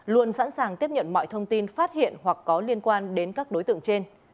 luôn sẵn sàng tiếp nhận mọi thông tin phát hiện hoặc có liên quan đến các đối tượng trên